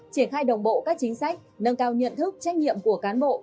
triển khai đồng bộ các chính sách nâng cao nhận thức trách nhiệm của cán bộ